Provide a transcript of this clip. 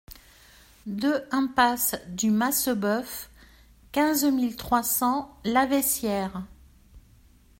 deux impasse du Masseboeuf, quinze mille trois cents Laveissière